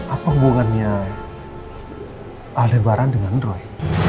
apa hubungannya aliran dengan roy